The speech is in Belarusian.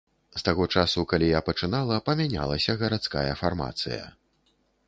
З таго часу, калі я пачынала, памянялася грамадская фармацыя.